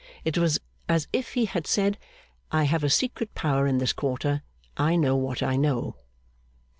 It was as if he had said, 'I have a secret power in this quarter. I know what I know.